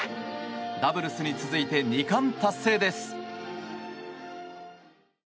ダブルスに続いて２冠達成です。